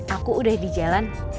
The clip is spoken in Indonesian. aku udah di jalan